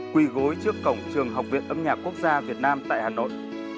quỳ gối trước cổng trường học viện âm nhạc quốc gia việt nam tại hà nội